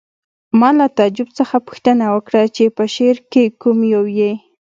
ما له تعجب څخه پوښتنه وکړه چې په شعر کې کوم یو یې